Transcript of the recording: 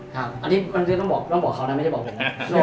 ครับอันนี้ต้องบอกเขานะไม่ใช่บอกผมนะ